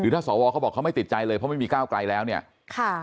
ถ้าสวเขาบอกเขาไม่ติดใจเลยเพราะไม่มีก้าวไกลแล้วเนี่ยค่ะ